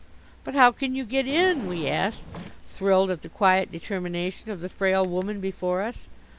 "But how can you get in?" we asked, thrilled at the quiet determination of the frail woman before us.